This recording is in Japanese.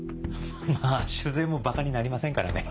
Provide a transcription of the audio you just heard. まぁ酒税もばかになりませんからね。